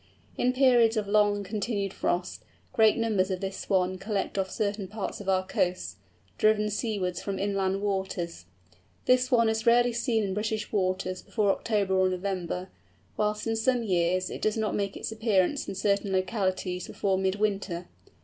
In periods of long continued frost, great numbers of this Swan collect off certain parts of our coasts, driven seawards from inland waters. This Swan is rarely seen in British waters before October or November, whilst in some years it does not make its appearance in certain localities before mid winter.